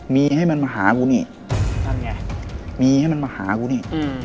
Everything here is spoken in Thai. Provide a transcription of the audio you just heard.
มีให้มันมาหากูนี่นั่นไงมีให้มันมาหากูนี่